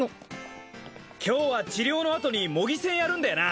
今日は治療のあとに模擬戦やるんだよな？